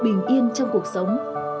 bình yên trong cuộc sống